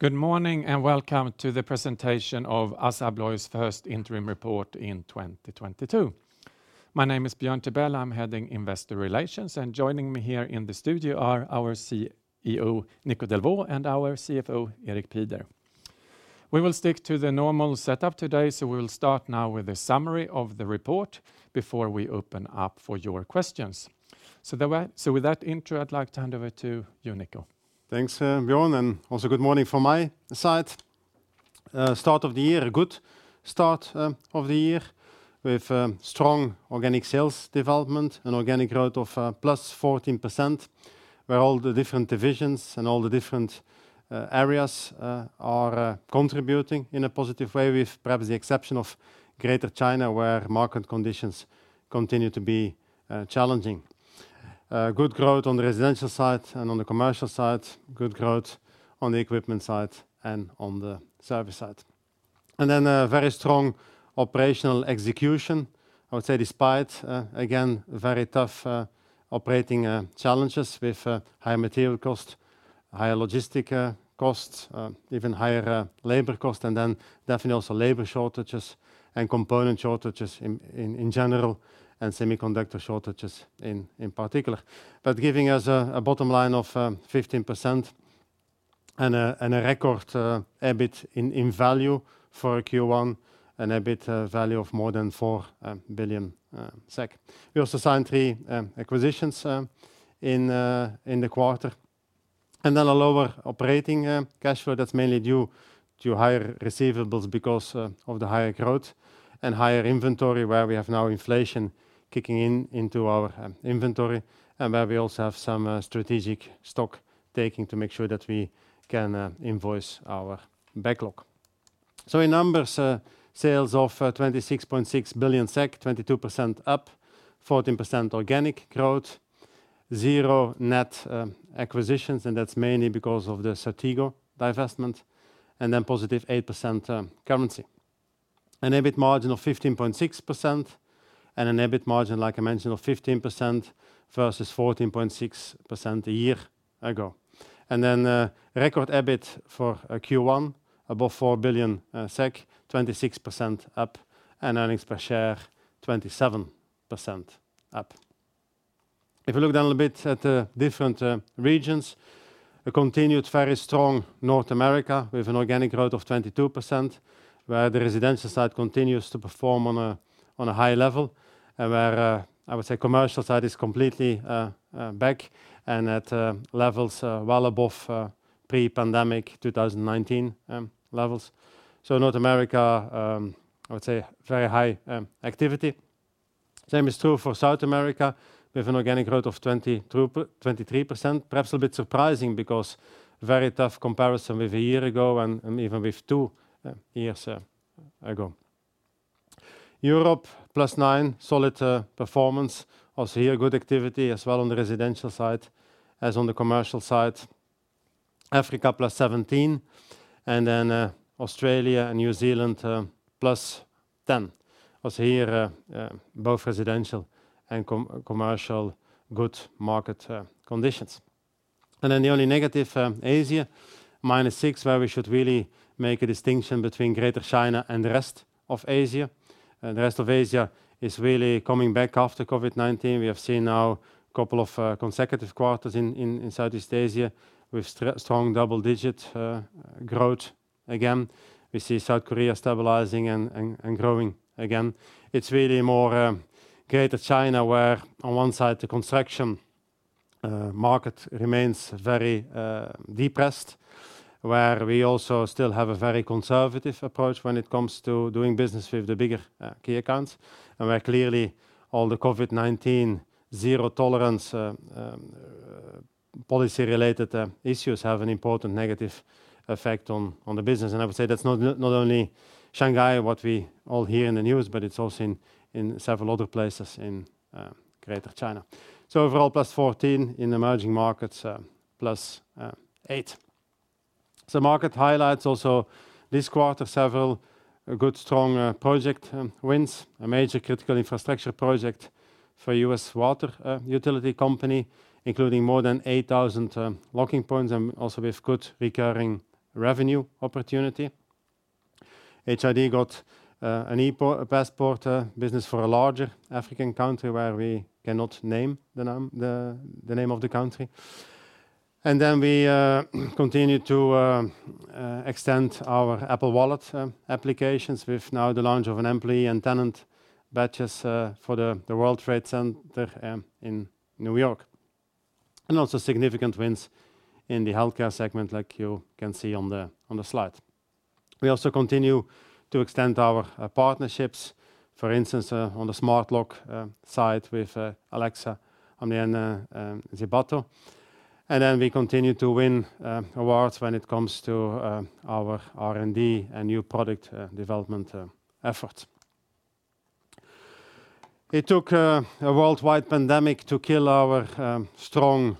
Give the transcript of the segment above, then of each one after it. Good morning, and welcome to the presentation of ASSA ABLOY's First Interim Report in 2022. My name is Björn Tibell. I'm heading Investor Relations, and joining me here in the studio are our CEO, Nico Delvaux, and our CFO, Erik Pieder. We will stick to the normal setup today, so we will start now with a summary of the report before we open up for your questions. With that intro, I'd like to hand over to you, Nico. Thanks, Björn, and also good morning from my side. Start of the year, a good start of the year with strong organic sales development and organic growth of +14%, where all the different divisions and all the different areas are contributing in a positive way with perhaps the exception of Greater China, where market conditions continue to be challenging. Good growth on the residential side and on the commercial side, good growth on the equipment side and on the service side. A very strong operational execution, I would say despite again very tough operating challenges with higher material cost, higher logistic costs, even higher labor cost, and then definitely also labor shortages and component shortages in general and semiconductor shortages in particular. Giving us a bottom line of 15% and a record EBIT in value for Q1 and EBIT value of more than 4 billion SEK. We also signed three acquisitions in the quarter. A lower operating cash flow that's mainly due to higher receivables because of the higher growth and higher inventory where we have now inflation kicking in into our inventory and where we also have some strategic stock taking to make sure that we can invoice our backlog. In numbers, sales of 26.6 billion SEK, 22% up, 14% organic growth, 0 net acquisitions, and that's mainly because of the CERTEGO divestment, and then +8% currency. An EBIT margin of 15.6% and an EBIT margin, like I mentioned, of 15% versus 14.6% a year ago. A record EBIT for Q1 above 4 billion SEK, 26% up, and earnings per share, 27% up. If you look down a bit at the different regions, a continued very strong North America with an organic growth of 22%, where the residential side continues to perform on a high level and where I would say commercial side is completely back and at levels well above pre-pandemic 2019 levels. North America, I would say very high activity. Same is true for South America with an organic growth of 23%, perhaps a bit surprising because very tough comparison with a year ago and even with two years ago. Europe +9%, solid performance. Also here, good activity as well on the residential side as on the commercial side. Africa +17%, and then Australia and New Zealand +10%. Also here, both residential and commercial good market conditions. Then the only negative, Asia, -6%, where we should really make a distinction between Greater China and the rest of Asia. The rest of Asia is really coming back after COVID-19. We have seen now couple of consecutive quarters in Southeast Asia with strong double-digit growth again. We see South Korea stabilizing and growing again. It's really more Greater China, where on one side the construction market remains very depressed, where we also still have a very conservative approach when it comes to doing business with the bigger key accounts and where clearly all the COVID-19 zero tolerance policy-related issues have an important negative effect on the business. I would say that's not only Shanghai, what we all hear in the news, but it's also in several other places in Greater China. Overall +14% in emerging markets, +8%. Some market highlights also this quarter, several good strong project wins. A major critical infrastructure project for U.S. water utility company, including more than 8,000 locking points and also with good recurring revenue opportunity. HID got an ePassport business for a larger African country where we cannot name the name of the country. We continue to extend our Apple Wallet applications with now the launch of an employee and tenant badges for the World Trade Center in New York. Also significant wins in the healthcare segment like you can see on the slide. We also continue to extend our partnerships, for instance, on the smart lock side with Alexa and Zipato. We continue to win awards when it comes to our R&D and new product development efforts. It took a worldwide pandemic to kill our strong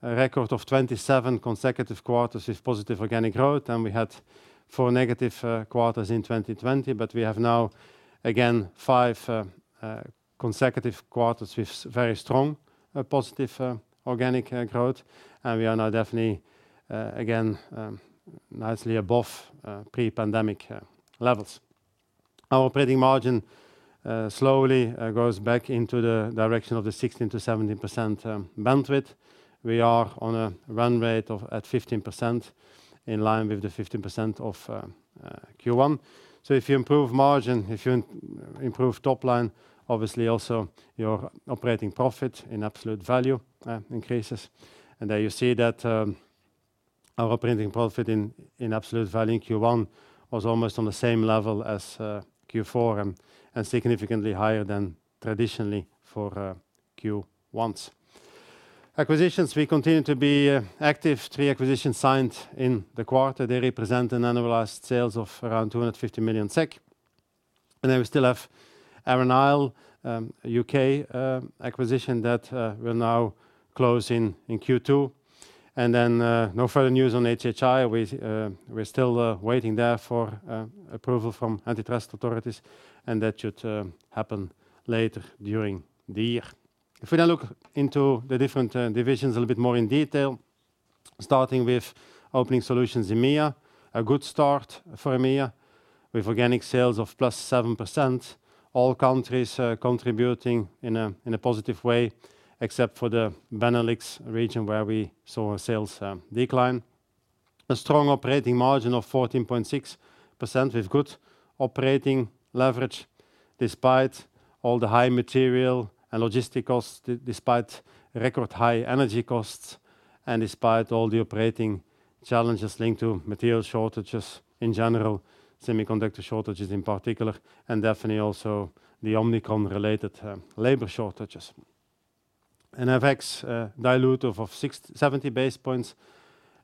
record of 27 consecutive quarters with positive organic growth, and we had four negative quarters in 2020. We have now again five consecutive quarters with very strong positive organic growth. We are now definitely again nicely above pre-pandemic levels. Our operating margin slowly goes back into the direction of the 16%-17% bandwidth. We are on a run rate of 15% in line with the 15% of Q1. If you improve margin, if you improve top line, obviously also your operating profit in absolute value increases. There you see that, our operating profit in absolute value in Q1 was almost on the same level as Q4 and significantly higher than traditionally for Q1s. Acquisitions, we continue to be active. Three acquisitions signed in the quarter. They represent an annualized sales of around 250 million SEK. We still have Arran Isle, U.K., acquisition that will now close in Q2. No further news on HHI. We're still waiting there for approval from antitrust authorities, and that should happen later during the year. If we now look into the different divisions a little bit more in detail, starting with Opening Solutions EMEA. A good start for EMEA with organic sales of +7%. All countries contributing in a positive way, except for the Benelux region, where we saw sales decline. A strong operating margin of 14.6% with good operating leverage despite all the high material and logistic costs, despite record high energy costs, and despite all the operating challenges linked to material shortages in general, semiconductor shortages in particular, and definitely also the Omicron-related labor shortages. FX dilute of 67 basis points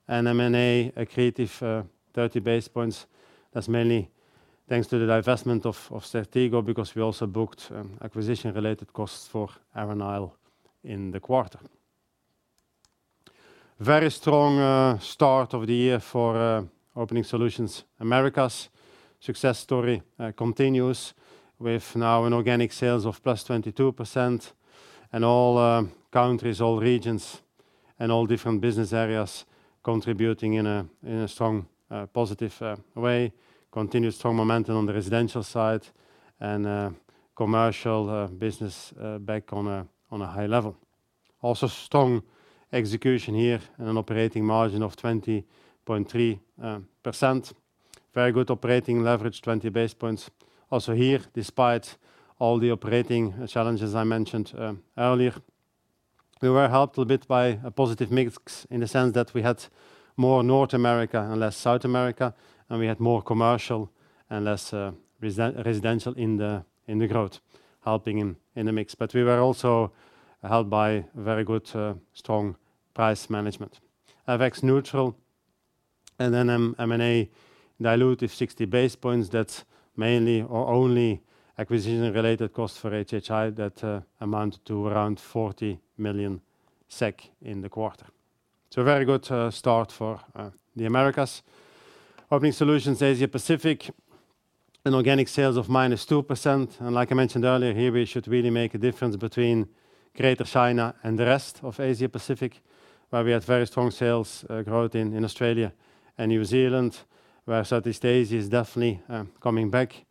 and M&A accretive 30 basis points. That's mainly thanks to the divestment of CERTEGO because we also booked acquisition-related costs for Arran Isle in the quarter. Very strong start of the year for Opening Solutions Americas. Success story continues with now an organic sales of +22% and all countries, all regions, and all different business areas contributing in a strong positive way. Continued strong momentum on the residential side and commercial business back on a high level. Also strong execution here and an operating margin of 20.3%. Very good operating leverage, 20 basis points. Also here, despite all the operating challenges I mentioned earlier, we were helped a bit by a positive mix in the sense that we had more North America and less South America, and we had more commercial and less residential in the growth, helping in the mix. We were also helped by very good strong price management. FX neutral and then M&A dilutive 60 basis points. That's mainly or only acquisition-related costs for HHI that amount to around 40 million SEK in the quarter. It's a very good start for the Americas. Opening Solutions Asia Pacific, an organic sales of -2%. Like I mentioned earlier, here we should really make a difference between Greater China and the rest of Asia Pacific, where we had very strong sales growth in Australia and New Zealand, where Southeast Asia is definitely coming back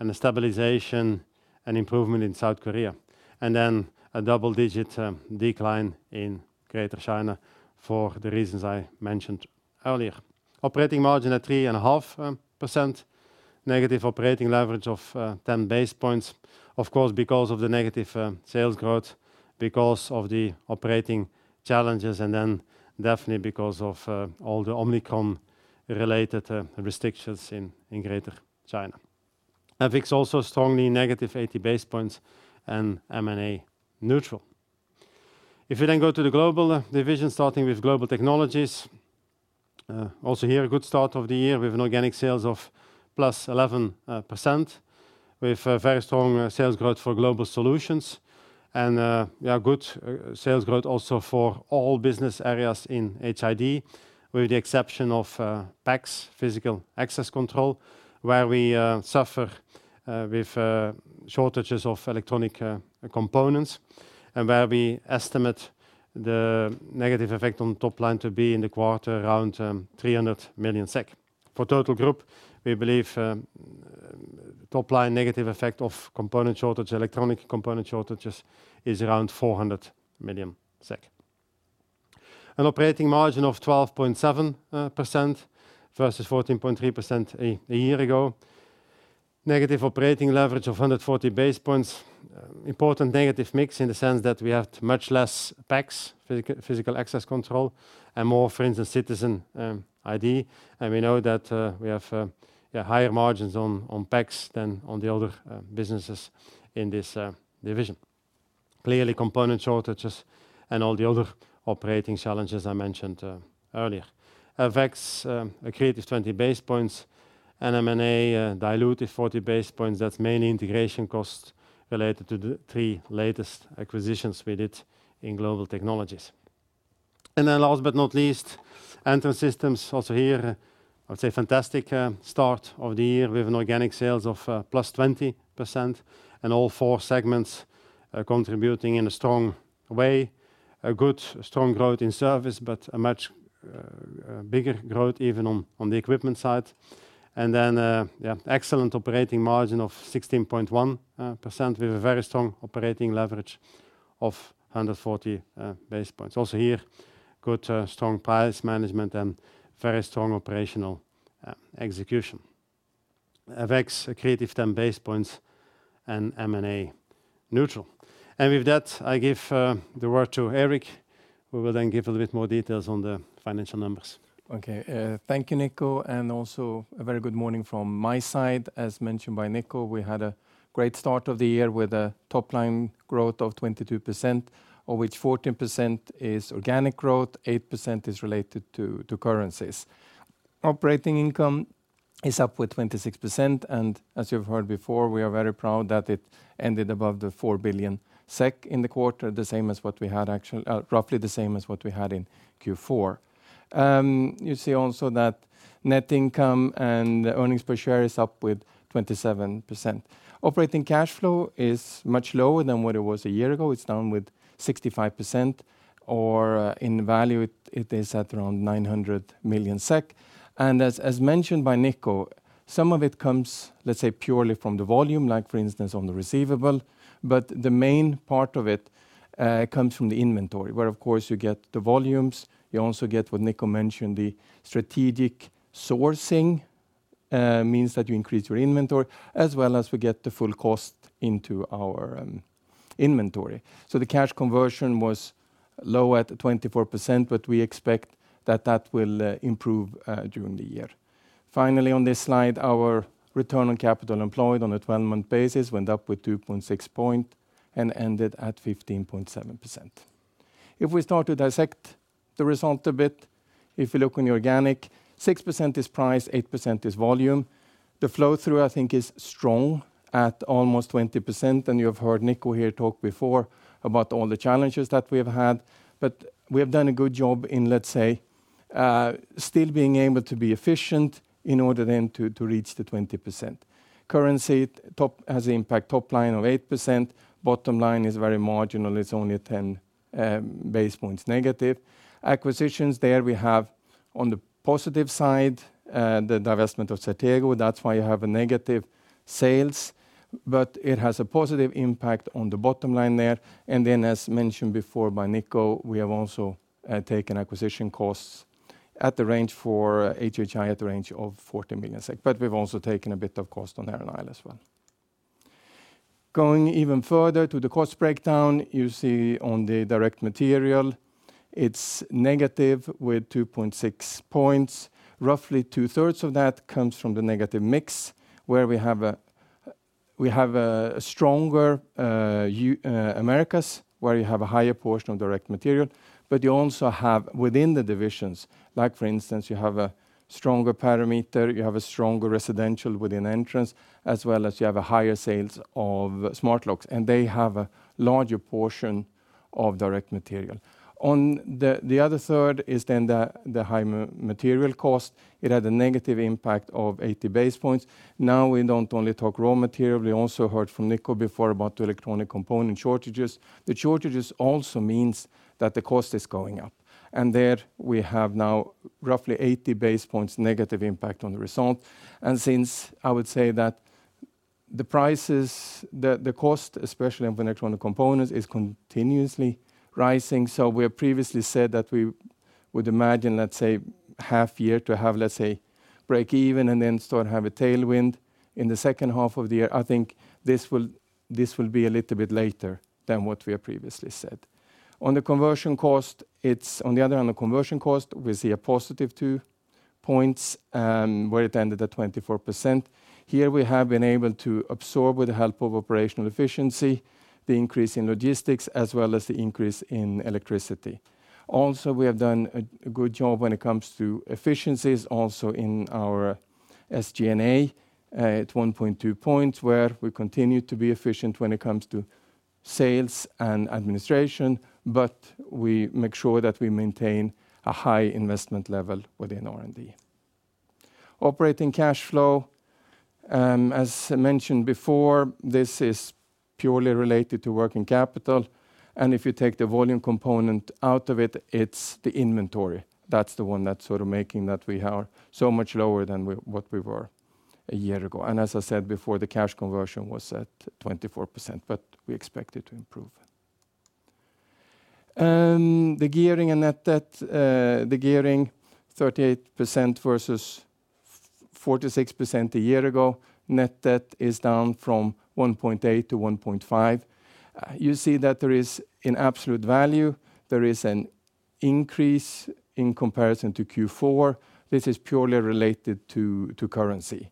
and a stabilization and improvement in South Korea. Then a double-digit decline in Greater China for the reasons I mentioned earlier. Operating margin at 3.5%. Negative operating leverage of 10 base points, of course, because of the negative sales growth, because of the operating challenges, and then definitely because of all the Omicron-related restrictions in Greater China. FX also strongly -80 basis points and M&A neutral. If we then go to the global division, starting with Global Technologies, also here a good start of the year with organic sales of +11%, with very strong sales growth for Global Solutions and good sales growth also for all business areas in HID, with the exception of PACS, physical access control, where we suffer with shortages of electronic components and where we estimate the negative effect on top line to be in the quarter around 300 million SEK. For total group, we believe top line negative effect of component shortage, electronic component shortages is around 400 million SEK. An operating margin of 12.7% versus 14.3% a year ago. Negative operating leverage of 140 basis points. Important negative mix in the sense that we have much less PACS, physical access control, and more, for instance, Citizen ID, and we know that we have higher margins on PACS than on the other businesses in this division. Clearly component shortages and all the other operating challenges I mentioned earlier. FX accretive 20 basis points and M&A dilutive 40 basis points. That's mainly integration costs related to the three latest acquisitions we did in Global Technologies. Last but not least, Entrance Systems also here, I would say fantastic start of the year with an organic sales of +20% and all four segments contributing in a strong way. A good strong growth in service, but a much bigger growth even on the equipment side. Excellent operating margin of 16.1% with a very strong operating leverage of 140 basis points. Also here, good strong price management and very strong operational execution. FX accretive 10 basis points and M&A neutral. With that, I give the word to Erik, who will then give a little bit more details on the financial numbers. Okay. Thank you, Nico, and also a very good morning from my side. As mentioned by Nico, we had a great start of the year with a top-line growth of 22%, of which 14% is organic growth, 8% is related to currencies. Operating income is up with 26%, and as you've heard before, we are very proud that it ended above 4 billion SEK in the quarter, roughly the same as what we had in Q4. You see also that net income and earnings per share is up with 27%. Operating cash flow is much lower than what it was a year ago. It's down with 65%, or in value, it is at around 900 million SEK. As mentioned by Nico, some of it comes, let's say, purely from the volume, like for instance, on the receivable, but the main part of it comes from the inventory, where of course you get the volumes, you also get what Nico mentioned, the strategic sourcing means that you increase your inventory, as well as we get the full cost into our inventory. The cash conversion was low at 24%, but we expect that will improve during the year. Finally, on this slide, our return on capital employed on a 12-month basis went up with 2.6 points and ended at 15.7%. If we start to dissect the result a bit, if you look on the organic, 6% is price, 8% is volume. The flow-through, I think, is strong at almost 20%, and you have heard Nico here talk before about all the challenges that we have had. We have done a good job in, let's say, still being able to be efficient in order then to reach the 20%. Currency had an impact on top line of 8%. Bottom line is very marginal. It's only 10 base points negative. Acquisitions there we have on the positive side, the divestment of CERTEGO. That's why you have a negative sales, but it has a positive impact on the bottom line there. As mentioned before by Nico, we have also taken acquisition costs in the range for HHI in the range of 14 million SEK. We've also taken a bit of cost on Arran Isle as well. Going even further to the cost breakdown, you see on the direct material, it's negative with 2.6 points. Roughly 2/3 of that comes from the negative mix, where we have a stronger Americas, where you have a higher portion of direct material, but you also have within the divisions, like for instance, you have a stronger perimeter, you have a stronger residential within entrance, as well as you have a higher sales of smart locks, and they have a larger portion of direct material. The other third is then the high material cost. It had a negative impact of 80 basis points. Now, we don't only talk raw material, we also heard from Nico before about electronic component shortages. The shortages also means that the cost is going up. There we have now roughly 80 basis points negative impact on the result. Since I would say that the prices, the cost, especially of electronic components, is continuously rising. We have previously said that we would imagine, let's say, half year to have, let's say, break even and then start have a tailwind in the second half of the year. I think this will be a little bit later than what we have previously said. On the conversion cost, on the other hand, we see a +2 points, where it ended at 24%. Here we have been able to absorb with the help of operational efficiency, the increase in logistics, as well as the increase in electricity. We have done a good job when it comes to efficiencies also in our SG&A at 1.2%, where we continue to be efficient when it comes to sales and administration, but we make sure that we maintain a high investment level within R&D. Operating cash flow, as mentioned before, this is purely related to working capital, and if you take the volume component out of it's the inventory. That's the one that's sort of making that we are so much lower than what we were a year ago. As I said before, the cash conversion was at 24%, but we expect it to improve. The gearing and net debt, the gearing 38% versus 46% a year ago. Net debt is down from 1.8 to 1.5. You see that there is an absolute value. There is an increase in comparison to Q4. This is purely related to currency.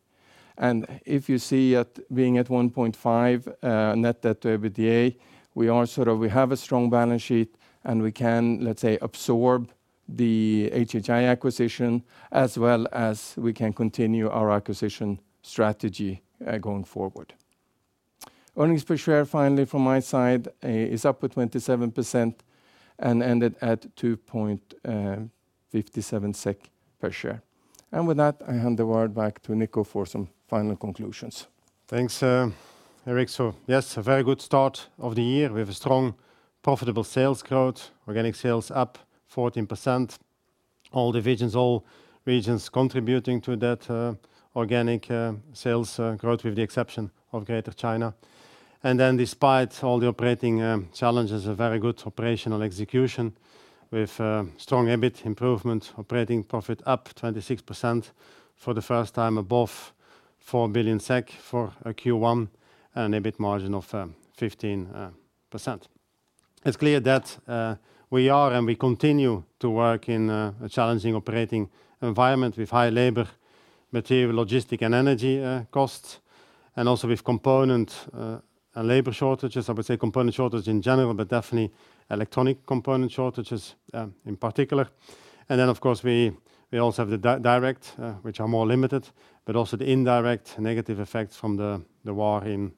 If you see it being at 1.5 net debt to EBITDA, we are sort of, we have a strong balance sheet, and we can, let's say, absorb the HHI acquisition as well as we can continue our acquisition strategy, going forward. Earnings per share finally from my side is up to 27% and ended at 2.57 SEK per share. With that, I hand the word back to Nico for some final conclusions. Thanks, Erik. Yes, a very good start of the year. We have a strong profitable sales growth. Organic sales up 14%. All divisions, all regions contributing to that, organic sales growth with the exception of Greater China. Despite all the operating challenges, a very good operational execution with strong EBIT improvement, operating profit up 26% for the first time above 4 billion SEK for a Q1 and EBIT margin of 15%. It's clear that we are and we continue to work in a challenging operating environment with high labor, material, logistic, and energy costs, and also with component and labor shortages. I would say component shortages in general, but definitely electronic component shortages in particular. Then of course, we also have the direct, which are more limited, but also the indirect negative effects from the war in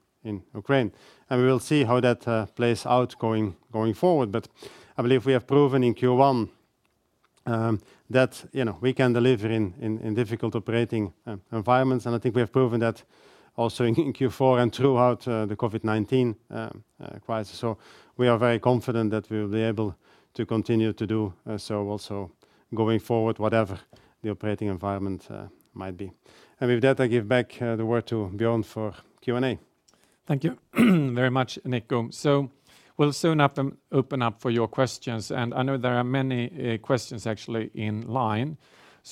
Ukraine. We will see how that plays out going forward. I believe we have proven in Q1 that, you know, we can deliver in difficult operating environments. I think we have proven that also in Q4 and throughout the COVID-19 crisis. We are very confident that we will be able to continue to do so also going forward, whatever the operating environment might be. With that, I give back the word to Björn for Q&A. Thank you very much, Nico. We'll open up for your questions. I know there are many questions actually in line.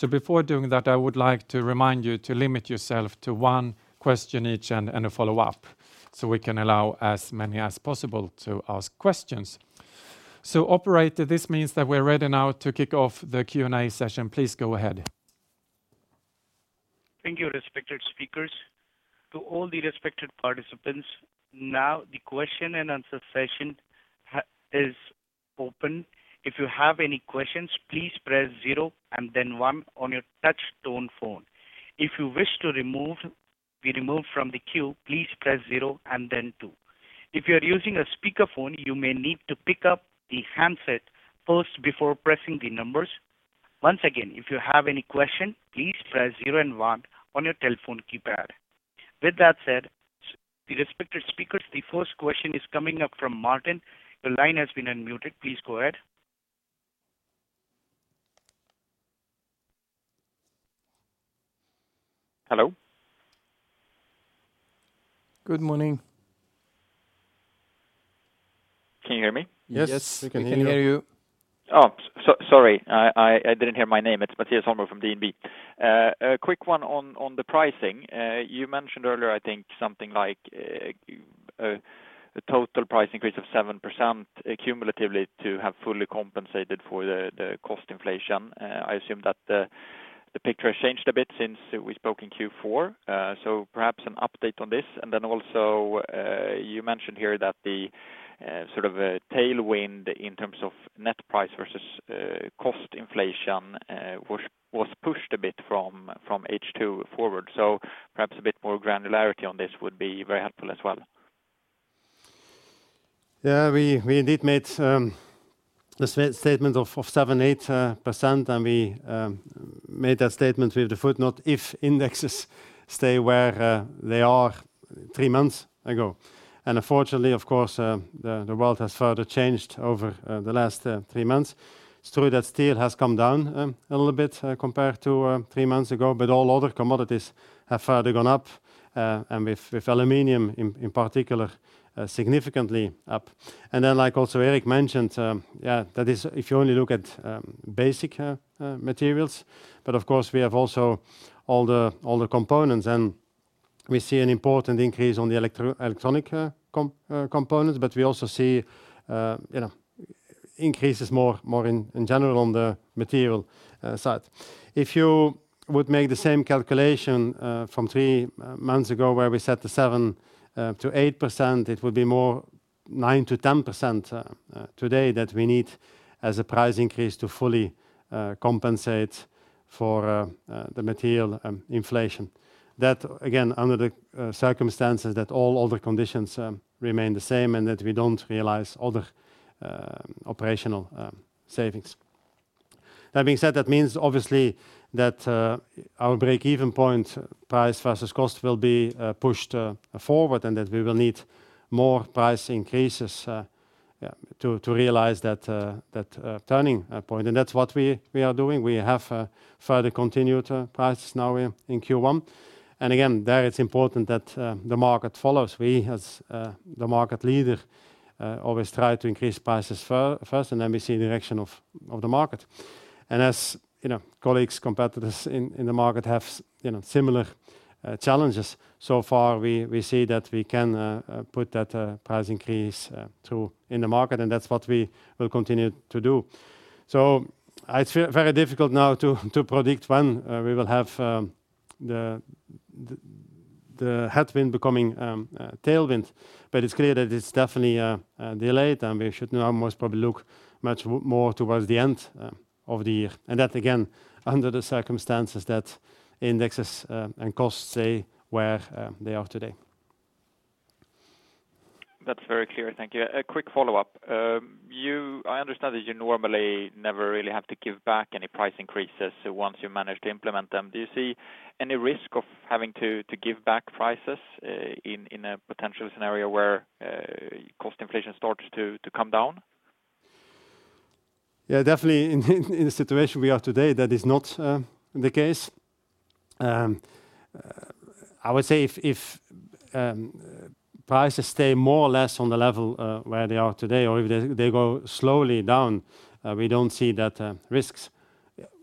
Before doing that, I would like to remind you to limit yourself to one question each and a follow-up, so we can allow as many as possible to ask questions. Operator, this means that we're ready now to kick off the Q&A session. Please go ahead. Thank you, respected speakers. To all the respected participants, now the question-and-answer session is open. If you have any questions, please press zero and then one on your touch tone phone. If you wish to be removed from the queue, please press zero and then two. If you're using a speaker phone, you may need to pick up the handset first before pressing the numbers. Once again, if you have any question, please press zero and one on your telephone keypad. With that said, the respected speakers, the first question is coming up from Mattias. Your line has been unmuted. Please go ahead. Hello? Good morning. Can you hear me? Yes, we can hear you. Yes, we can hear you. Oh, sorry. I didn't hear my name. It's Mattias Holmberg from DNB. A quick one on the pricing. You mentioned earlier I think something like a total price increase of 7% cumulatively to have fully compensated for the cost inflation. I assume that the picture has changed a bit since we spoke in Q4. Perhaps an update on this. Then also, you mentioned here that the sort of a tailwind in terms of net price versus cost inflation was pushed a bit from H2 forward. Perhaps a bit more granularity on this would be very helpful as well. Yeah. We indeed made a statement of 7%-8%, and we made that statement with the footnote, if indexes stay where they are three months ago. Unfortunately, of course, the world has further changed over the last three months. It's true that steel has come down a little bit compared to three months ago, but all other commodities have further gone up, and with aluminum in particular significantly up. Then, like also Erik mentioned, that is if you only look at basic materials. Of course we have also all the components, and we see an important increase on the electronic components, but we also see increases more in general on the material side. If you would make the same calculation from three months ago where we set the 7%-8%, it would be more 9%-10% today that we need as a price increase to fully compensate for the material inflation. That again, under the circumstances that all other conditions remain the same and that we don't realize other operational savings. That being said, that means obviously that our break-even point price versus cost will be pushed forward and that we will need more price increases to realize that turning point. That's what we are doing. We have further continued pricing now in Q1. Again, therefore it's important that the market follows. We as the market leader always try to increase prices first and then we see the direction of the market. As you know, colleagues, competitors in the market have you know, similar challenges. So far, we see that we can put that price increase through in the market and that's what we will continue to do. It's very difficult now to predict when we will have the headwind becoming tailwind, but it's clear that it's definitely delayed and we should now almost probably look much more towards the end of the year. That, again, under the circumstances that indexes and costs stay where they are today. That's very clear. Thank you. A quick follow-up. I understand that you normally never really have to give back any price increases once you manage to implement them. Do you see any risk of having to give back prices in a potential scenario where cost inflation starts to come down? Yeah, definitely in the situation we are today, that is not the case. I would say if prices stay more or less on the level where they are today or if they go slowly down, we don't see that risks.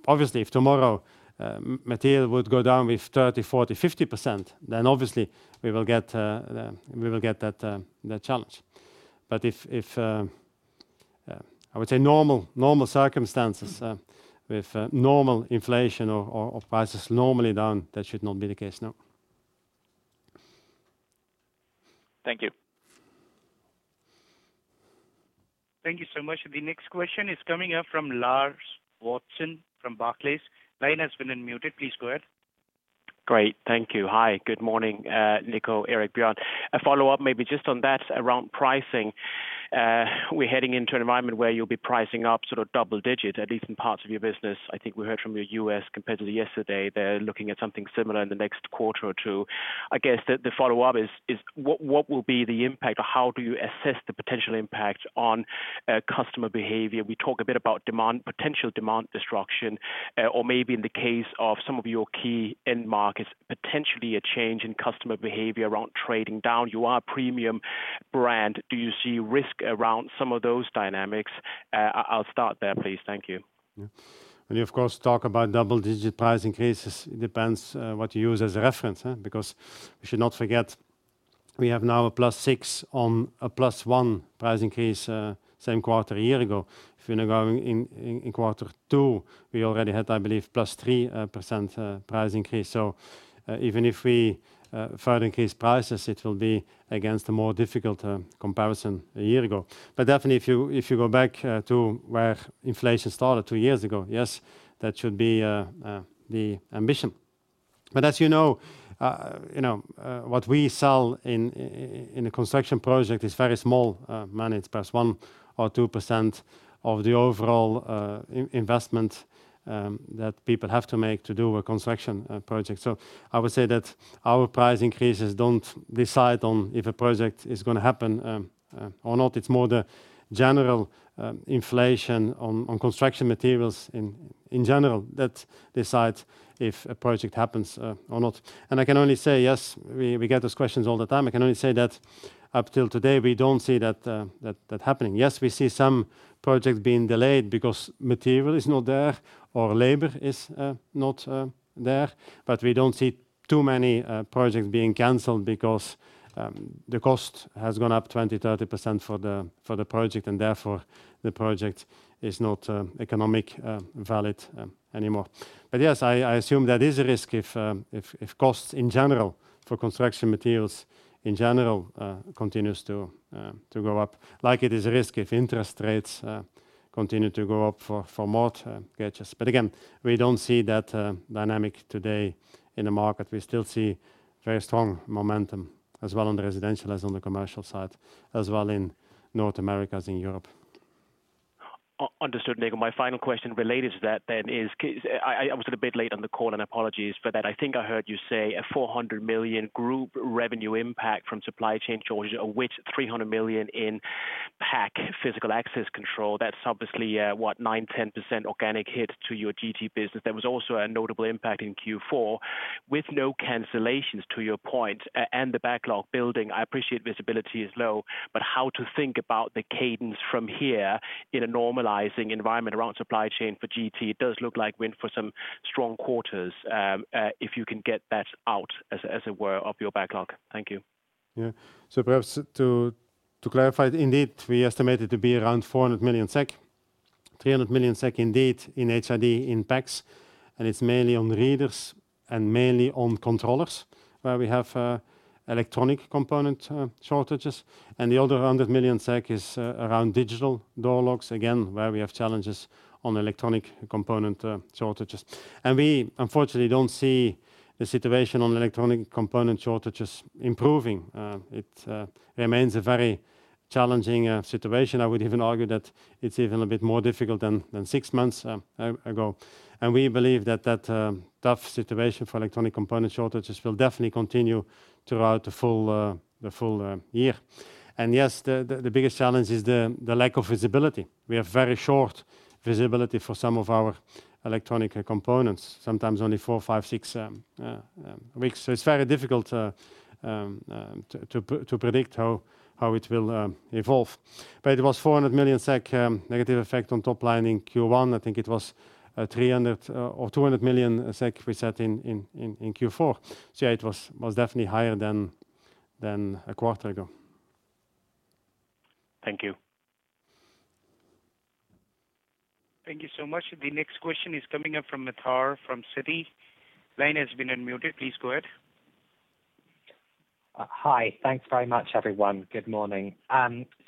Obviously, if tomorrow material would go down with 30%, 40%, 50%, then obviously we will get that challenge. If I would say normal circumstances with normal inflation or prices normally down, that should not be the case, no. Thank you. Thank you so much. The next question is coming up from Lars Brorson from Barclays. Line has been unmuted. Please go ahead. Great. Thank you. Hi, good morning, Nico, Erik, Björn. A follow-up, maybe just on that around pricing. We're heading into an environment where you'll be pricing up sort of double digits, at least in parts of your business. I think we heard from the U.S. competitor yesterday, they're looking at something similar in the next quarter or two. I guess the follow-up is, what will be the impact or how do you assess the potential impact on customer behavior? We talk a bit about demand, potential demand destruction, or maybe in the case of some of your key end markets, potentially a change in customer behavior around trading down. You are a premium brand. Do you see risk around some of those dynamics? I'll start there, please. Thank you. When you, of course, talk about double-digit price increases, it depends what you use as a reference, huh? Because we should not forget, we have now a +6 on a +1 price increase, same quarter a year ago. If you go in quarter 2, we already had, I believe, +3% price increase. Even if we further increase prices, it will be against a more difficult comparison a year ago. Definitely, if you go back to where inflation started two years ago, yes, that should be the ambition. As you know, what we sell in a construction project is very small money. It's +1% or 2% of the overall investment that people have to make to do a construction project. I would say that our price increases don't decide on if a project is gonna happen or not. It's more the general inflation on construction materials in general that decides if a project happens or not. I can only say, yes, we get those questions all the time. I can only say that up till today, we don't see that happening. Yes, we see some projects being delayed because material is not there or labor is not there. We don't see too many projects being canceled because the cost has gone up 20%-30% for the project, and therefore the project is not economically valid anymore. Yes, I assume there is a risk if costs in general for construction materials in general continues to go up, like it is a risk if interest rates continue to go up for more mortgages. Again, we don't see that dynamic today in the market. We still see very strong momentum as well on the residential as on the commercial side, as well in North America as in Europe. Understood, Nico. My final question related to that is, I was a bit late on the call, and apologies for that. I think I heard you say a 400 million group revenue impact from supply chain charges, of which 300 million in PACS, physical access control. That's obviously what? 9%-10% organic hit to your GT business. There was also a notable impact in Q4 with no cancellations, to your point, and the backlog building. I appreciate visibility is low, but how to think about the cadence from here in a normalizing environment around supply chain for GT? It does look like win for some strong quarters, if you can get that out, as it were, of your backlog. Thank you. Yeah. Perhaps to clarify, indeed, we estimate it to be around 400 million SEK, 300 million SEK indeed in HID in PACS. It's mainly on readers and mainly on controllers where we have electronic component shortages. The other 100 million SEK is around digital door locks, again, where we have challenges on electronic component shortages. We unfortunately don't see the situation on electronic component shortages improving. It remains a very challenging situation. I would even argue that it's even a bit more difficult than six months ago. We believe that tough situation for electronic component shortages will definitely continue throughout the full year. Yes, the biggest challenge is the lack of visibility. We have very short visibility for some of our electronic components, sometimes only four, five, six weeks. It's very difficult to predict how it will evolve. It was 400 million SEK negative effect on top line in Q1. I think it was 300 million or 200 million SEK we saw in Q4. Yeah, it was definitely higher than a quarter ago. Thank you. Thank you so much. The next question is coming up from Midha from Citi. Line has been unmuted. Please go ahead. Hi. Thanks very much, everyone. Good morning.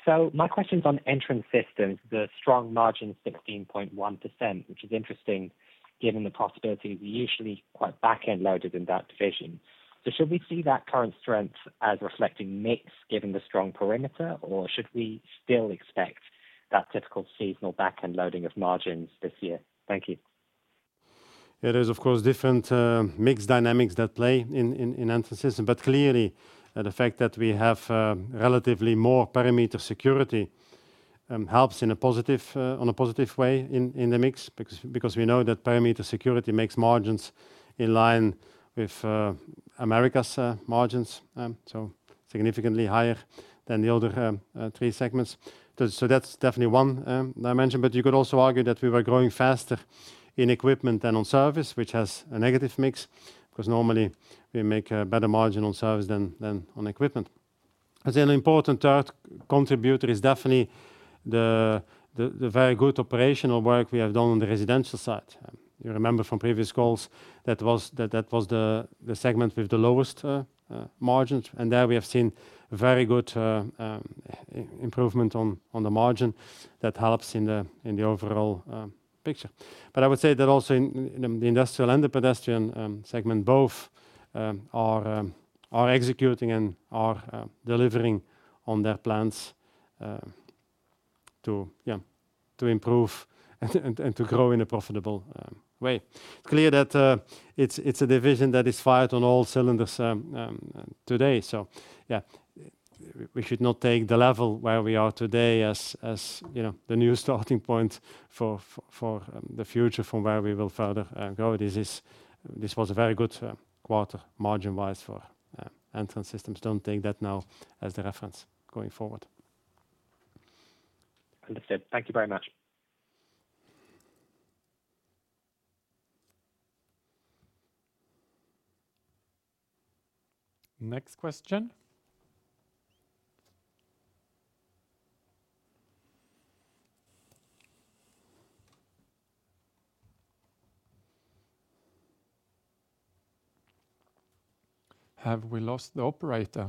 My question is on Entrance Systems, the strong margin 16.1%, which is interesting given the possibility we're usually quite back-end loaded in that division. Should we see that current strength as reflecting mix given the strong perimeter? Should we still expect that typical seasonal back-end loading of margins this year? Thank you. It is, of course, different mix dynamics that play in Entrance Systems. Clearly, the fact that we have relatively more perimeter security helps in a positive way in the mix because we know that perimeter security makes margins in line with Americas margins so significantly higher than the other three segments. That's definitely one dimension. You could also argue that we were growing faster in equipment than on service, which has a negative mix, 'cause normally we make a better margin on service than on equipment. As an important third contributor is definitely the very good operational work we have done on the residential side. You remember from previous calls that was the segment with the lowest margins. There we have seen very good improvement on the margin that helps in the overall picture. I would say that also in the industrial and the pedestrian segment both are executing and are delivering on their plans to improve and to grow in a profitable way. It's clear that it's a division that is fired on all cylinders today. Yeah, we should not take the level where we are today as, you know, the new starting point for the future from where we will further grow. This was a very good quarter margin-wise for Entrance Systems. Don't take that now as the reference going forward. Understood. Thank you very much. Next question. Have we lost the operator?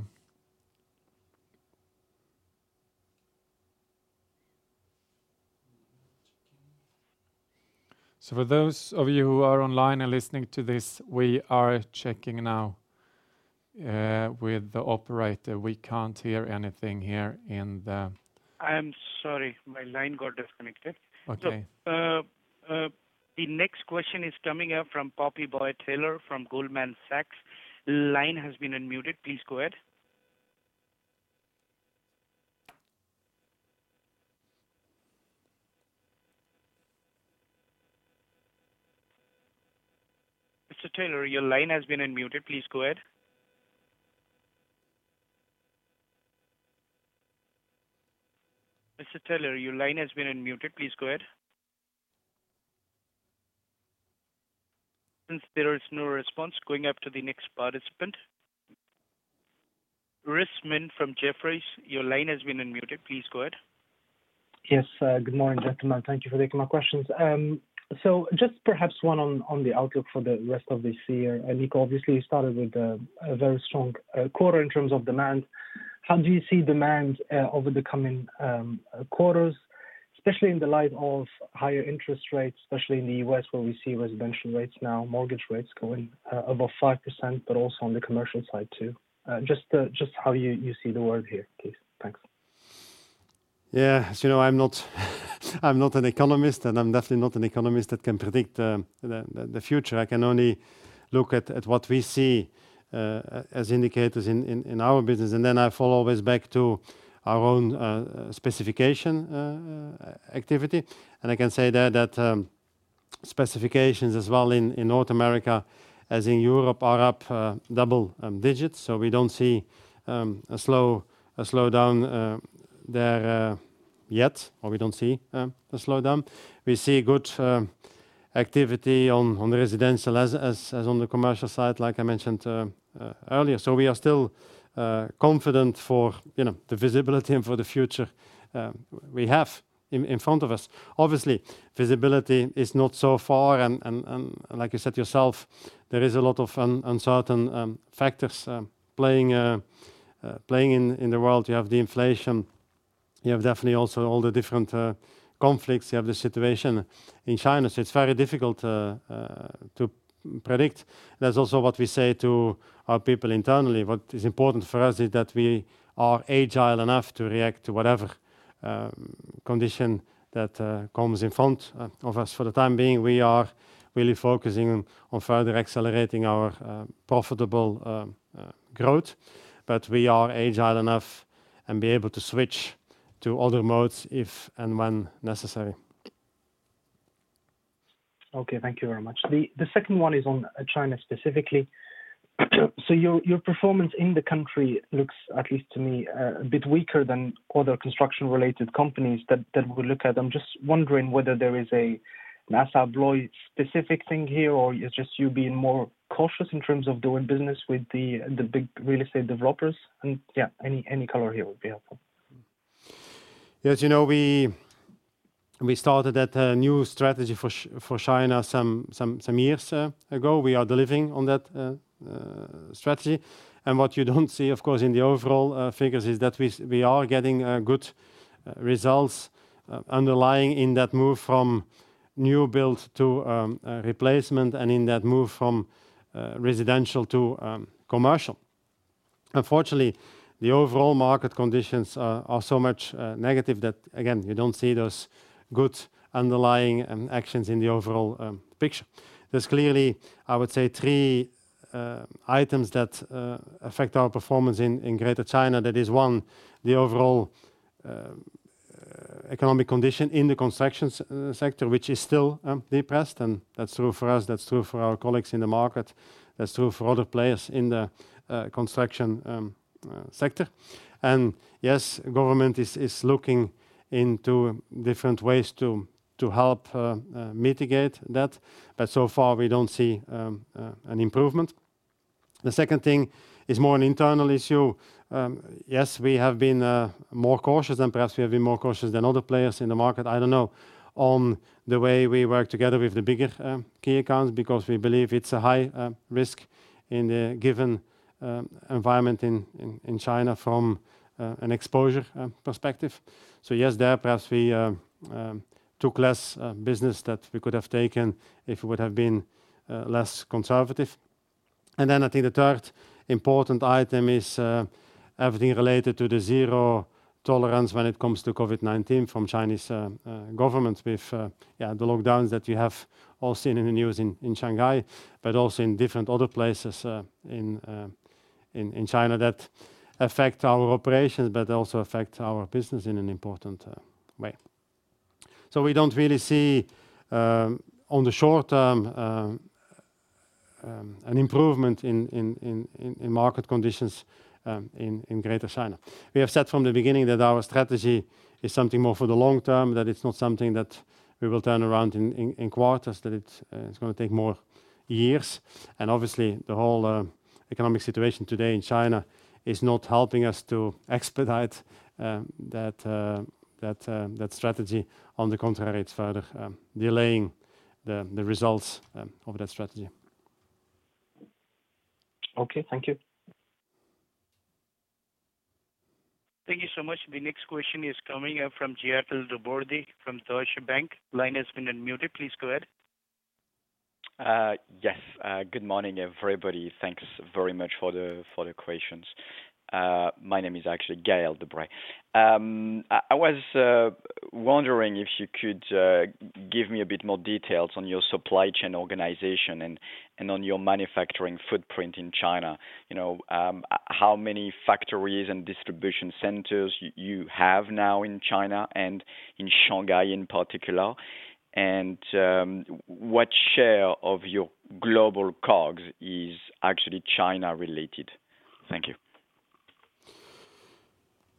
For those of you who are online and listening to this, we are checking now with the operator. We can't hear anything here. I am sorry. My line got disconnected. Okay. The next question is coming up from Poppy Boyd-Taylor from Goldman Sachs. Line has been unmuted. Please go ahead. Mrs. Taylor, your line has been unmuted. Please go ahead. Since there is no response, going up to the next participant. Rizk Maidi from Jefferies, your line has been unmuted. Please go ahead. Yes. Good morning, gentlemen. Thank you for taking my questions. Just perhaps one on the outlook for the rest of this year. Nico, obviously you started with a very strong quarter in terms of demand. How do you see demand over the coming quarters? Especially in the light of higher interest rates, especially in the U.S., where we see residential rates now, mortgage rates going above 5%, but also on the commercial side too. Just how you see the world here, please. Thanks. Yeah. You know, I'm not an economist, and I'm definitely not an economist that can predict the future. I can only look at what we see as indicators in our business, and then I fall always back to our own specification activity. I can say there that specifications as well in North America as in Europe are up double digits. We don't see a slowdown there yet, or we don't see a slowdown. We see good activity on the residential as on the commercial side, like I mentioned earlier. We are still confident for the visibility and for the future we have in front of us. Obviously, visibility is not so far and like you said yourself, there is a lot of uncertain factors playing in the world. You have the inflation, you have definitely also all the different conflicts. You have the situation in China. It's very difficult to predict. That's also what we say to our people internally. What is important for us is that we are agile enough to react to whatever condition that comes in front of us. For the time being, we are really focusing on further accelerating our profitable growth, but we are agile enough and be able to switch to other modes if and when necessary. Okay. Thank you very much. The second one is on China specifically. Your performance in the country looks, at least to me, a bit weaker than other construction-related companies that we look at. I'm just wondering whether there is a ASSA ABLOY specific thing here or it's just you being more cautious in terms of doing business with the big real estate developers and yeah, any color here would be helpful. As you know, we started that new strategy for China some years ago. We are delivering on that strategy. What you don't see, of course, in the overall figures is that we are getting good results underlying in that move from new build to replacement and in that move from residential to commercial. Unfortunately, the overall market conditions are so much negative that again, you don't see those good underlying actions in the overall picture. There's clearly, I would say, three items that affect our performance in Greater China. That is, one, the overall economic condition in the construction sector, which is still depressed. That's true for us, that's true for our colleagues in the market, that's true for other players in the construction sector. Yes, government is looking into different ways to help mitigate that, but so far we don't see an improvement. The second thing is more an internal issue. Yes, we have been more cautious, and perhaps we have been more cautious than other players in the market, I don't know, on the way we work together with the bigger key accounts because we believe it's a high risk in the given environment in China from an exposure perspective. Yes, there perhaps we took less business that we could have taken if we would have been less conservative. I think the third important item is everything related to the zero tolerance when it comes to COVID-19 from Chinese government with the lockdowns that you have all seen in the news in Shanghai, but also in different other places in China that affect our operations, but also affect our business in an important way. We don't really see on the short term an improvement in market conditions in Greater China. We have said from the beginning that our strategy is something more for the long term, that it's not something that we will turn around in quarters, that it's gonna take more years. Obviously the whole economic situation today in China is not helping us to expedite that strategy. On the contrary, it's further delaying the results of that strategy. Okay, thank you. Thank you so much. The next question is coming from Gaël De Bray from Deutsche Bank. Line has been unmuted. Please go ahead. Yes. Good morning, everybody. Thanks very much for the questions. My name is actually Gaël De Bray. I was wondering if you could give me a bit more details on your supply chain organization and on your manufacturing footprint in China. You know, how many factories and distribution centers you have now in China and in Shanghai in particular? What share of your global COGS is actually China related? Thank you.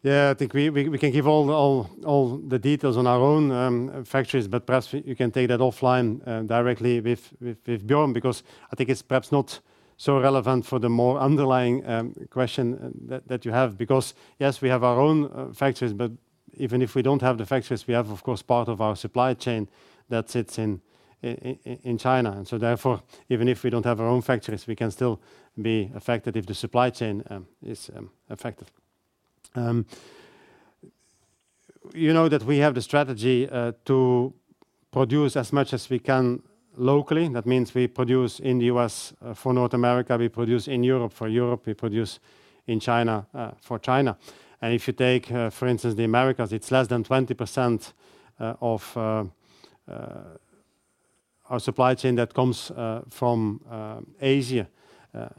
Yeah. I think we can give all the details on our own factories, but perhaps you can take that offline directly with Björn, because I think it's perhaps not so relevant for the more underlying question that you have. Yes, we have our own factories, but even if we don't have the factories, we have of course part of our supply chain that sits in China. Therefore, even if we don't have our own factories, we can still be affected if the supply chain is affected. You know that we have the strategy to produce as much as we can locally. That means we produce in the U.S. for North America, we produce in Europe for Europe, we produce in China for China. If you take, for instance, the Americas, it's less than 20% of our supply chain that comes from Asia.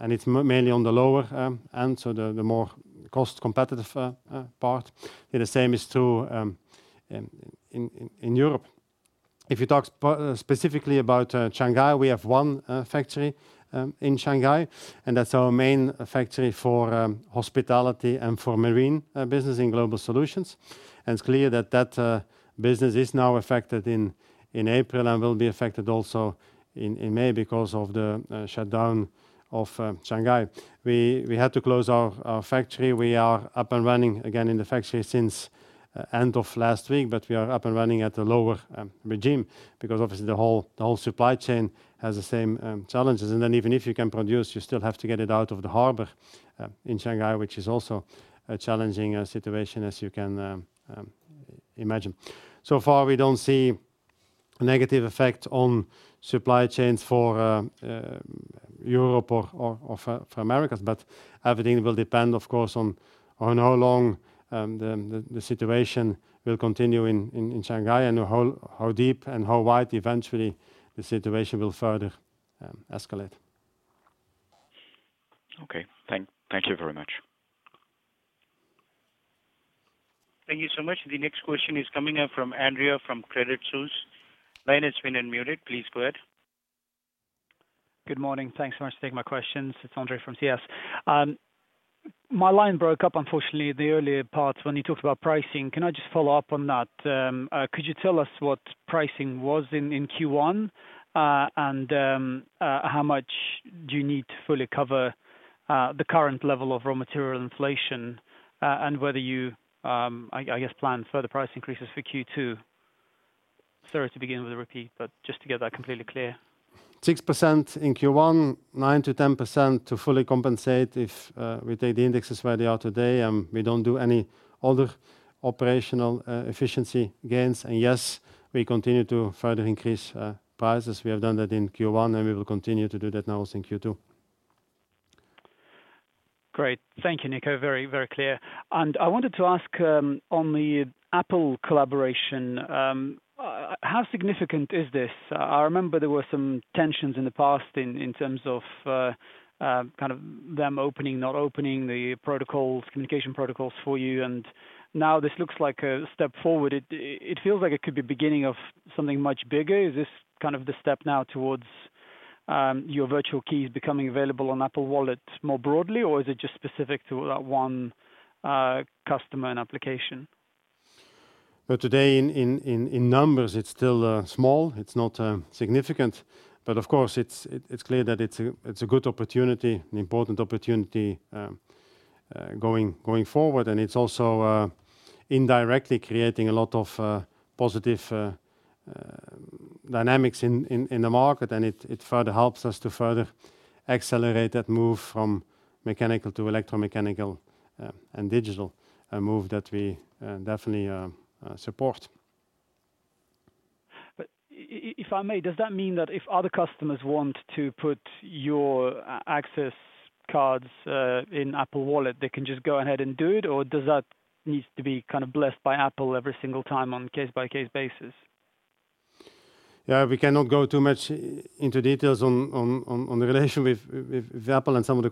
It's mainly on the lower end, so the more cost competitive part. The same is true in Europe. If you talk specifically about Shanghai, we have one factory in Shanghai, and that's our main factory for hospitality and for marine business in Global Solutions. It's clear that business is now affected in April and will be affected also in May because of the shutdown of Shanghai. We had to close our factory. We are up and running again in the factory since end of last week, but we are up and running at a lower regime because obviously the whole supply chain has the same challenges. Even if you can produce, you still have to get it out of the harbor in Shanghai, which is also a challenging situation as you can imagine. So far, we don't see a negative effect on supply chains for Europe or for Americas. Everything will depend, of course, on how long the situation will continue in Shanghai and how deep and how wide eventually the situation will further escalate. Okay. Thank you very much. Thank you so much. The next question is coming from Andre from Credit Suisse. Line has been unmuted. Please go ahead. Good morning. Thanks so much for taking my questions. It's Andre from CS. My line broke up, unfortunately, the earlier part when you talked about pricing. Can I just follow up on that? Could you tell us what pricing was in Q1? How much do you need to fully cover the current level of raw material inflation? Whether you, I guess, plan further price increases for Q2? Sorry to begin with a repeat, but just to get that completely clear. 6% in Q1, 9%-10% to fully compensate if we take the indexes where they are today, we don't do any other operational efficiency gains. Yes, we continue to further increase prices. We have done that in Q1, and we will continue to do that now also in Q2. Great. Thank you, Nico. Very, very clear. I wanted to ask on the Apple collaboration, how significant is this? I remember there were some tensions in the past in terms of kind of them not opening the protocols, communication protocols for you, and now this looks like a step forward. It feels like it could be beginning of something much bigger. Is this kind of the step now towards your virtual keys becoming available on Apple Wallet more broadly, or is it just specific to that one customer and application? Well, today in numbers, it's still small. It's not significant. Of course it's clear that it's a good opportunity, an important opportunity going forward. It's also indirectly creating a lot of positive dynamics in the market. It further helps us to further accelerate that move from mechanical to electromechanical and digital, a move that we definitely support. If I may, does that mean that if other customers want to put your access cards in Apple Wallet, they can just go ahead and do it, or does that needs to be kind of blessed by Apple every single time on case-by-case basis? Yeah, we cannot go too much into details on the relation with Apple and some of the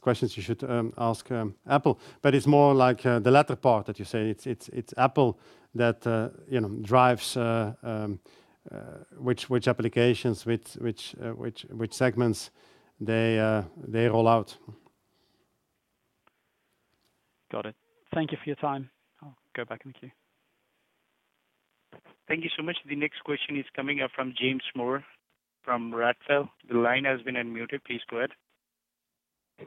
questions you should ask Apple. It's more like the latter part that you say. It's Apple that you know drives which applications with which segments they roll out. Got it. Thank you for your time. I'll go back in the queue. Thank you so much. The next question is coming from James Moore from Redburn. The line has been unmuted. Please go ahead.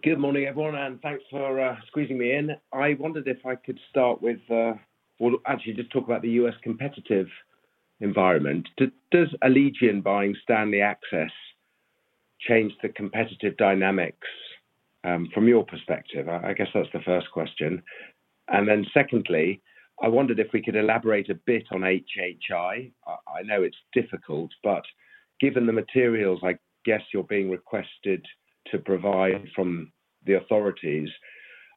Good morning, everyone, and thanks for squeezing me in. I wondered if I could start with, well, actually just talk about the U.S. competitive environment. Does Allegion buying Stanley Access change the competitive dynamics from your perspective? I guess that's the first question. Then secondly, I wondered if we could elaborate a bit on HHI. I know it's difficult, but given the materials, I guess you're being requested to provide from the authorities,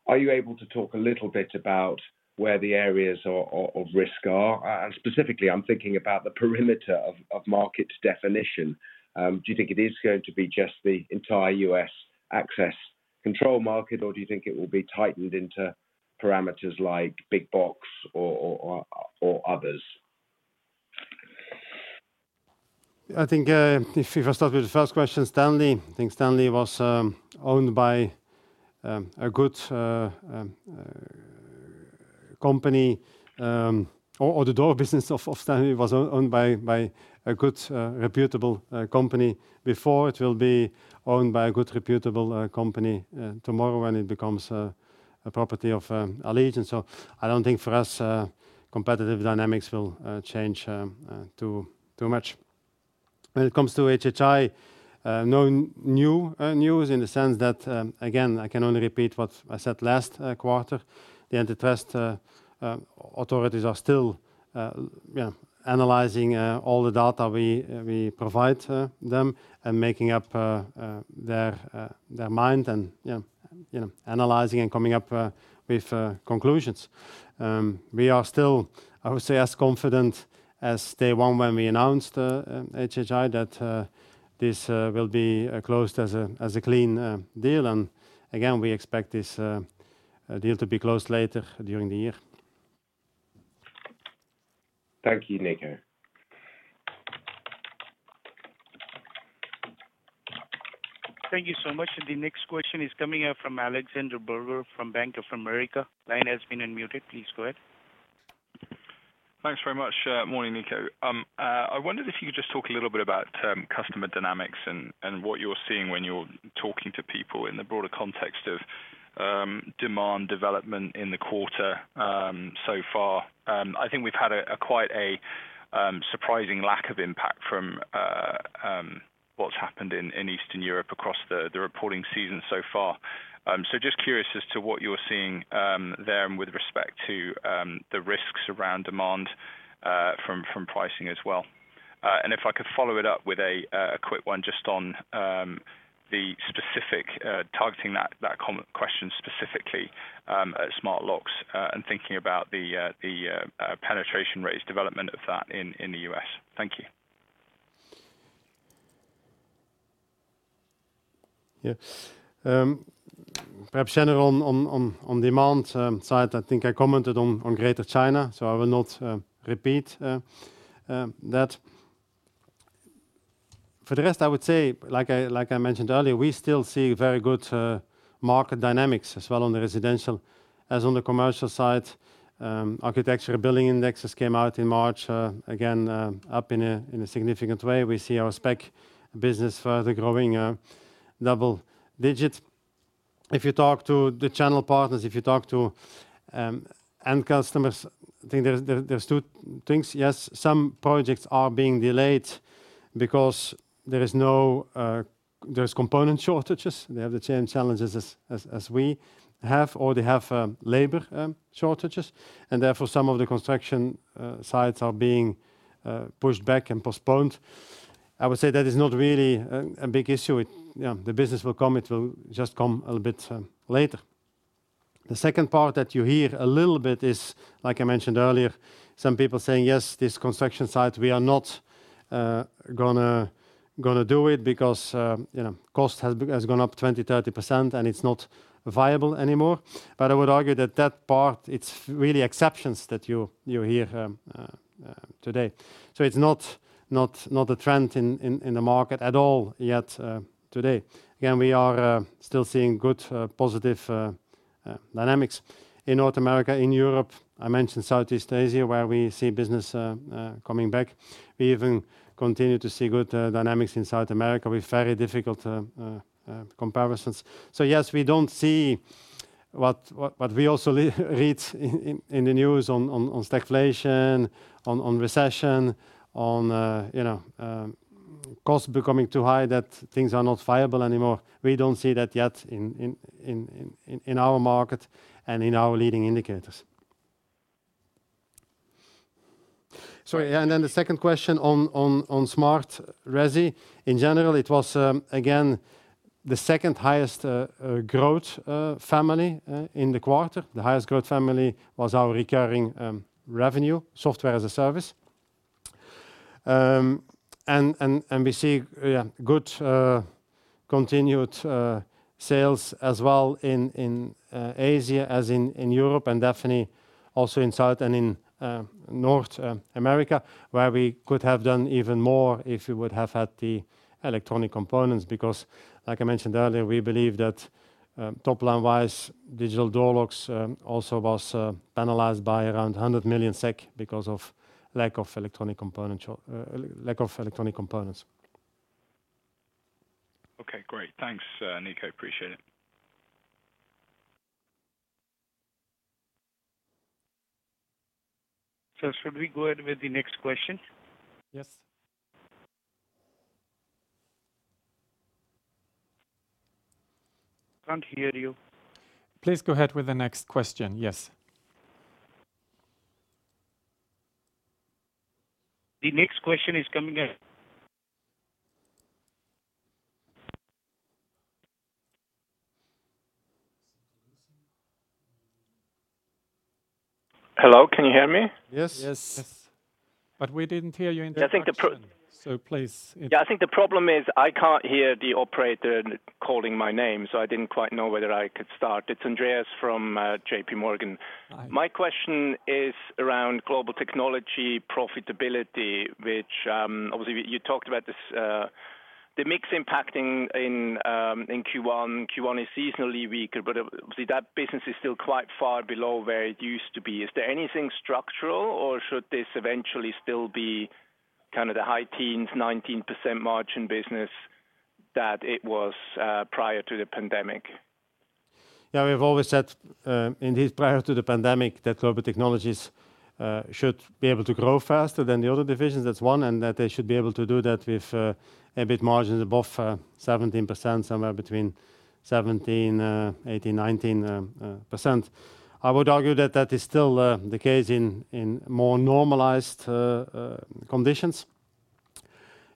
are you able to talk a little bit about where the areas of risk are? Specifically, I'm thinking about the parameters of market definition. Do you think it is going to be just the entire U.S. access control market, or do you think it will be tightened into parameters like big box or others? I think, if we first start with the first question, Stanley, I think Stanley was owned by a good company, or the door business of Stanley was owned by a good reputable company before. It will be owned by a good reputable company tomorrow when it becomes a property of Allegion. I don't think for us competitive dynamics will change too much. When it comes to HHI, no new news in the sense that, again, I can only repeat what I said last quarter. The antitrust authorities are still analyzing all the data we provide them and making up their mind and you know, analyzing and coming up with conclusions. We are still, I would say, as confident as day one when we announced HHI that this will be closed as a clean deal. Again, we expect this deal to be closed later during the year. Thank you, Nico. Thank you so much. The next question is coming from Alexander Virgo from Bank of America. Line has been unmuted. Please go ahead. Thanks very much. Morning, Nico. I wondered if you could just talk a little bit about customer dynamics and what you're seeing when you're talking to people in the broader context of demand development in the quarter so far. I think we've had quite a surprising lack of impact from what's happened in Eastern Europe across the reporting season so far. Just curious as to what you're seeing there and with respect to the risks around demand from pricing as well. If I could follow it up with a quick one just on the specific targeting that comment question specifically at smart locks and thinking about the penetration rates development of that in the U.S. Thank you. Yeah. Perhaps general on demand side, I think I commented on Greater China, so I will not repeat that. For the rest, I would say, like I mentioned earlier, we still see very good market dynamics as well on the residential. As on the commercial side, Architecture Billings Index came out in March again up in a significant way. We see our spec business further growing double digit. If you talk to the channel partners, if you talk to end customers, I think there's two things. Yes, some projects are being delayed because there's component shortages. They have the challenges as we have, or they have labor shortages, and therefore some of the construction sites are being pushed back and postponed. I would say that is not really a big issue. The business will come. It will just come a little bit later. The second part that you hear a little bit is, like I mentioned earlier, some people saying, "Yes, this construction site, we are not gonna do it because, you know, cost has gone up 20%-30% and it's not viable anymore." I would argue that that part, it's really exceptions that you hear today. It's not a trend in the market at all yet today. We are still seeing good positive dynamics in North America, in Europe. I mentioned Southeast Asia, where we see business coming back. We even continue to see good dynamics in South America with very difficult comparisons. Yes, we don't see what we also read in the news on stagflation, on recession, on you know costs becoming too high that things are not viable anymore. We don't see that yet in our market and in our leading indicators. Sorry, then the second question on smart resi. In general, it was again the second highest growth family in the quarter. The highest growth family was our recurring revenue, software as a service. We see good continued sales as well in Asia as in Europe and definitely also in South and in North America, where we could have done even more if we would have had the electronic components, because like I mentioned earlier, we believe that top-line wise, digital door locks also was penalized by around 100 million SEK because of lack of electronic components. Okay, great. Thanks, Nico. Appreciate it. Should we go ahead with the next question? Yes. Can't hear you. Please go ahead with the next question. Yes. The next question is coming in. Hello? Can you hear me? Yes. Yes. Yes. We didn't hear you in the question. I think the pro- So please if- Yeah, I think the problem is I can't hear the operator calling my name, so I didn't quite know whether I could start. It's Andreas from J.P. Morgan. Hi. My question is around global technology profitability, which, obviously you talked about this, the mix impacting in Q1. Q1 is seasonally weaker, but obviously that business is still quite far below where it used to be. Is there anything structural or should this eventually still be kind of the high teens, 19% margin business that it was, prior to the pandemic? Yeah. We've always said, indeed prior to the pandemic, that Global Technologies should be able to grow faster than the other divisions. That's one, and that they should be able to do that with EBIT margins above 17%, somewhere between 17%-19%. I would argue that is still the case in more normalized conditions.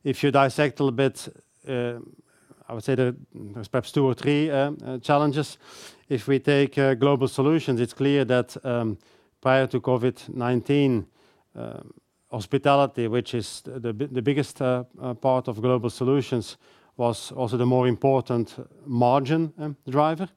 If you dissect a little bit, I would say there's perhaps two or three challenges. If we take Global Solutions, it's clear that prior to COVID-19, hospitality, which is the biggest part of Global Solutions, was also the more important margin driver.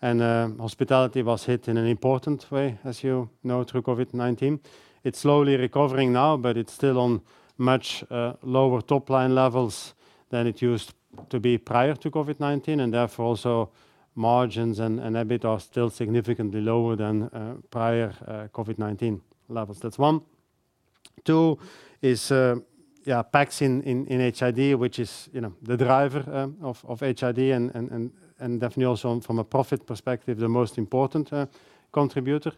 Hospitality was hit in an important way, as you know, through COVID-19. It's slowly recovering now, but it's still on much lower top-line levels than it used to be prior to COVID-19, and therefore, also margins and EBIT are still significantly lower than prior COVID-19 levels. That's one. Two is PACS in HID, which is, you know, the driver of HID and definitely also from a profit perspective, the most important contributor.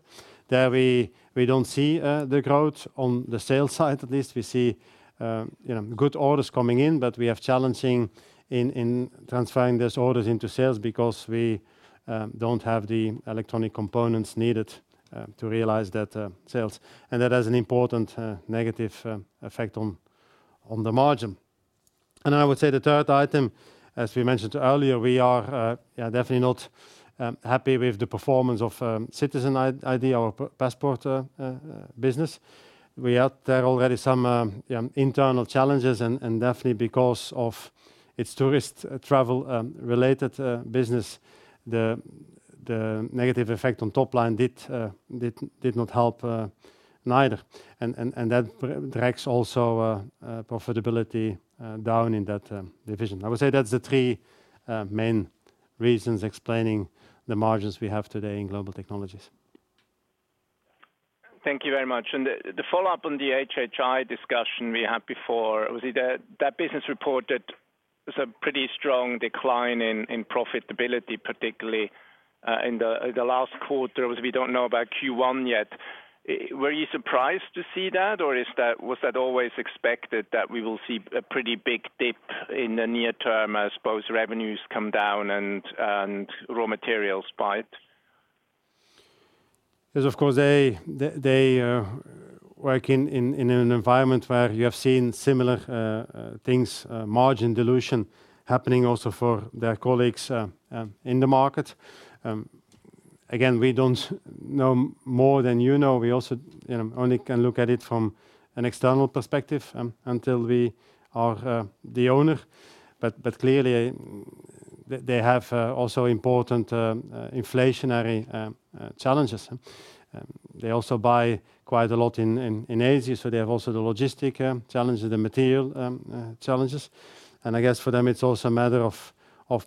There we don't see the growth on the sales side. At least we see, you know, good orders coming in, but we have challenges in transferring those orders into sales because we don't have the electronic components needed to realize that sales. That has an important negative effect on the margin. I would say the third item, as we mentioned earlier, we are definitely not happy with the performance of Citizen ID or ePassport business. We had there already some internal challenges and definitely because of its tourist travel related business, the negative effect on top line did not help neither. That drags also profitability down in that division. I would say that's the three main reasons explaining the margins we have today in Global Technologies. Thank you very much. The follow-up on the HHI discussion we had before, was it that the business reported a pretty strong decline in profitability, particularly in the last quarter, or we don't know about Q1 yet. Were you surprised to see that? Or is that, was that always expected that we will see a pretty big dip in the near term as both revenues come down and raw materials spike? Yes, of course, they work in an environment where you have seen similar things, margin dilution happening also for their colleagues in the market. Again, we don't know more than you know. We also, you know, only can look at it from an external perspective, until we are the owner. Clearly they have also important inflationary challenges. They also buy quite a lot in Asia, so they have also the logistics challenges, the material challenges. I guess for them it's also a matter of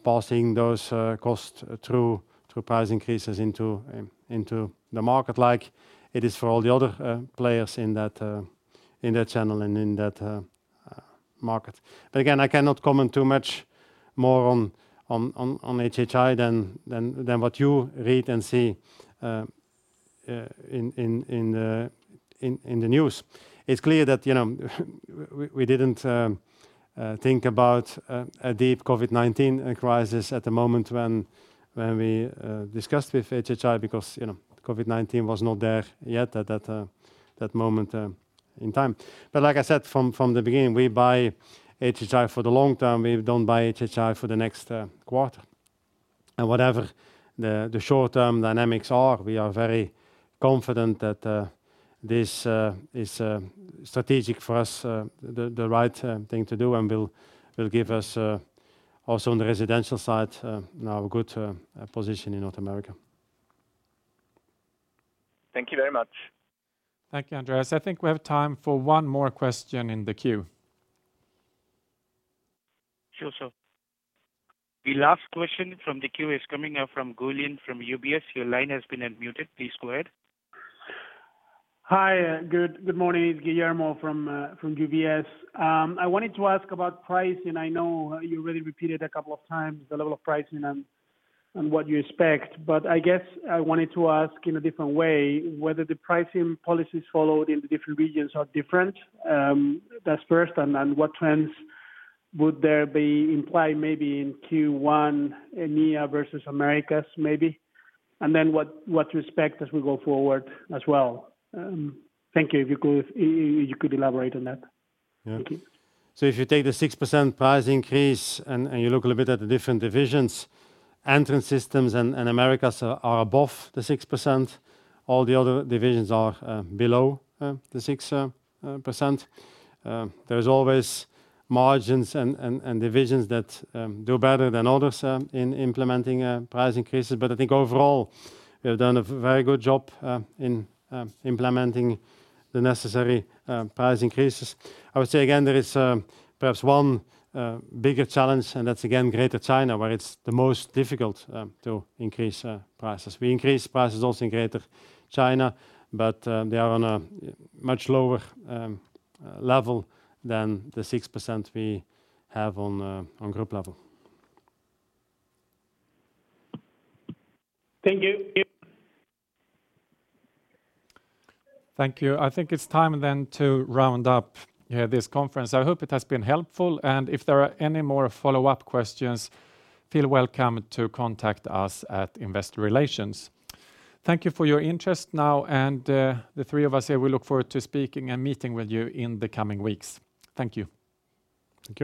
passing those costs through to price increases into the market like it is for all the other players in that channel and in that market. Again, I cannot comment too much more on HHI than what you read and see in the news. It's clear that, you know, we didn't think about a deep COVID-19 crisis at the moment when we discussed with HHI because, you know, COVID-19 was not there yet at that moment in time. Like I said from the beginning, we buy HHI for the long term. We don't buy HHI for the next quarter. Whatever the short-term dynamics are, we are very confident that this is strategic for us, the right thing to do and will give us also on the residential side now a good position in North America. Thank you very much. Thank you, Andreas. I think we have time for one more question in the queue. Sure, sir. The last question from the queue is coming from Guillermo from UBS. Your line has been unmuted. Please go ahead. Hi. Good morning. Guillermo from UBS. I wanted to ask about pricing. I know you already repeated a couple of times the level of pricing and what you expect, but I guess I wanted to ask in a different way whether the pricing policies followed in the different regions are different. That's first. Then what trends would there be implied maybe in Q1, EMEA versus Americas maybe? Then what to expect as we go forward as well. Thank you if you could elaborate on that. Yeah. Thank you. If you take the 6% price increase and you look a little bit at the different divisions, Entrance Systems and Americas are above the 6%. All the other divisions are below the 6%. There's always margins and divisions that do better than others in implementing price increases. But I think overall, we have done a very good job in implementing the necessary price increases. I would say again, there is perhaps one bigger challenge, and that's again Greater China, where it's the most difficult to increase prices. We increase prices also in Greater China, but they are on a much lower level than the 6% we have on group level. Thank you. Thank you. I think it's time then to round up, yeah, this conference. I hope it has been helpful. If there are any more follow-up questions, feel welcome to contact us at Investor Relations. Thank you for your interest now and, the three of us here, we look forward to speaking and meeting with you in the coming weeks. Thank you. Thank you.